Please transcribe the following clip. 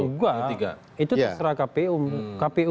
tidak itu diserah kpu